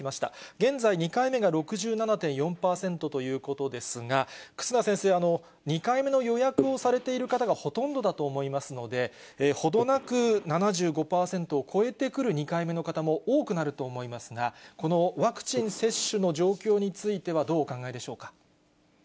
現在、２回目が６７．４％ということですが、忽那先生、２回目の予約をされている方がほとんどだと思いますので、程なく、７５％を超えてくる２回目の方も多くなると思いますが、このワクチン接種の状況についてはどうお考えでしょうか。